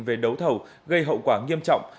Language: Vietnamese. về đấu thầu gây hậu quả nghiêm trọng